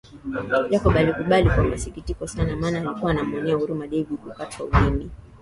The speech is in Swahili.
Jacob alikubali kwa masikitiko sana mana alikuwa akimuonea huruma Debby kukatwa ulimi